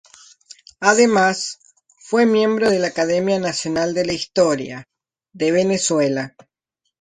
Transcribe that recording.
Además, fue miembro de la Academia Nacional de la Historia, de Venezuela.